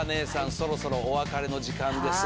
そろそろお別れの時間ですが。